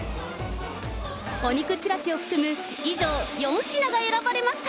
お肉ちらしを含む、以上４品が選ばれました。